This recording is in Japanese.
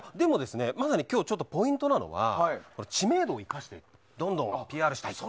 まさに今日、ポイントなのは知名度を生かしてどんどんＰＲしたいって。